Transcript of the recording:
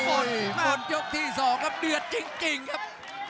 โอ้โหหมดยกที่๒ครับเดือดจริงครับ